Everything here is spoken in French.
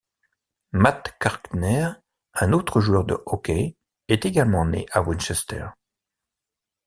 Matt Carkner, un autre joueur de hockey, est également né à Winchester.